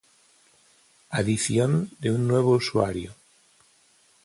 adición de un nuevo usuario